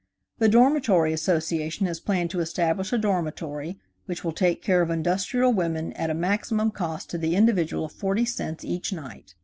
The Dormitory Association has planned to establish a dormitory which will take care of industrial women at a maximum cost to the individual of forty cents each night.